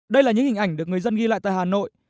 đây là những hình ảnh được người dân ghi lại tại hà nội